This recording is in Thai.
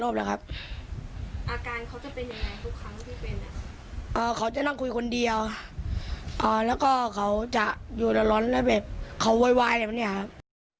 พ่อเขาจะอยู่ร้อนแล้วเขาไวอย่างนี้ค่ะ